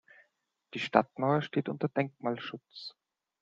Die Stadtmauer steht unter Denkmalschutz.